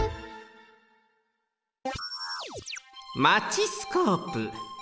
マチスコープ。